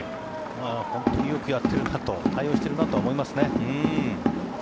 本当によくやってるなと対応してるなと思いますね。